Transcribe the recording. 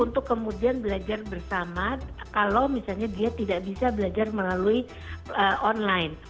untuk kemudian belajar bersama kalau misalnya dia tidak bisa belajar melalui online